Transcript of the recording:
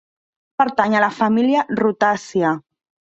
Pertany a la família Rutàcia.